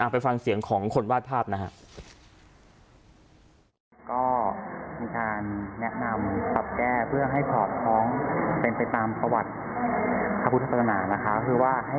ไปฟังเสียงของคนวาดภาพนะครับ